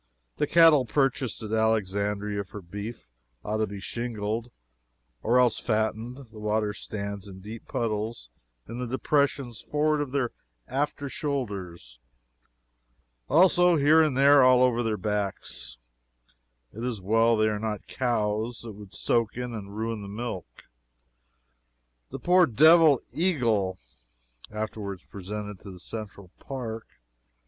The cattle purchased at Alexandria for beef ought to be shingled. Or else fattened. The water stands in deep puddles in the depressions forward of their after shoulders. Also here and there all over their backs. It is well they are not cows it would soak in and ruin the milk. The poor devil eagle [Afterwards presented to the Central Park.